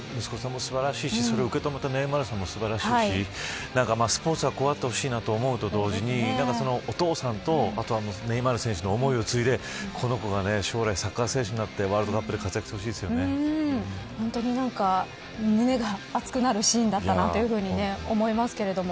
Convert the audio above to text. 息子さんも素晴らしいしそれを受けとめたネイマールさんも素晴らしいしスポーツはこうあってほしいなと思うと同時にお父さんとネイマール選手の思いを継いでこの子が将来、サッカー選手になってワールドカップで本当に胸が熱くなるシーンだったなと思いますけども。